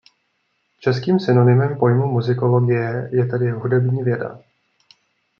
Českým synonymem pojmu muzikologie je tedy hudební věda.